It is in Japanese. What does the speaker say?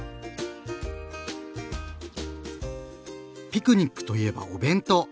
ピクニックといえばお弁当！